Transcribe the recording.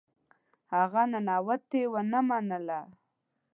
هغه ننواتې ونه منله.